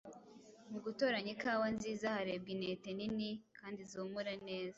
Mu gutoranya ikawa nziza, harebwa intete nini kandi zihumura neza.